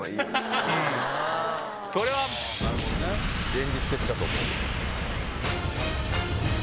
現実的だと思う。